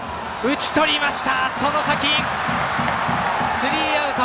スリーアウト。